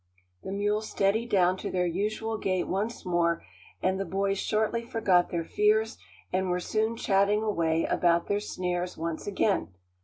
The mules steadied down to their usual gait once more, and the boys shortly forgot their fears and were soon chatting away about their snares once again.